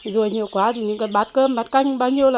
rùi nhiều quá thì mình cần bát cơm bát canh